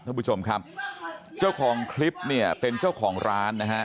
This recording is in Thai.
ท่านผู้ชมครับเจ้าของคลิปเนี่ยเป็นเจ้าของร้านนะฮะ